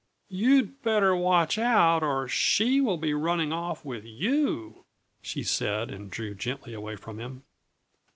"You'd better watch out or she will be running off with you!" she said, and drew gently away from him.